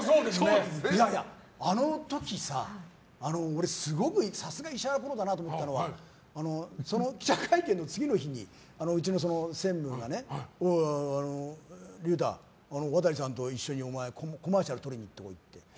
あの時さ、俺、すごくさすが石原プロだなと思ったのはその記者会見の次の日にうちの専務が竜太、渡さんと一緒にコマーシャル撮りに行ってこいって。